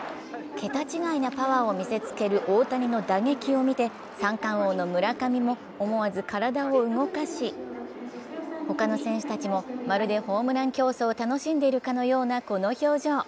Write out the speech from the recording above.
桁違いなパワーを見せつける大谷の打撃を見て三冠王の村上も、思わず体を動かし他の選手たちもまるでホームラン競争を楽しんでいるかのこの表情。